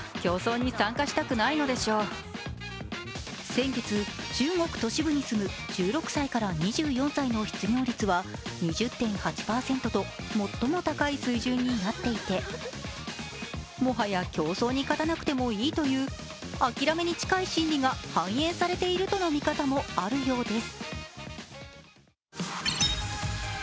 先月、中国都市部に住む１６歳から２４歳の失業率は２０．８％と最も高い水準になっていて、もはや競争に勝たなくてもいいという諦めに近い心理が反映されているとの見方もあるようです。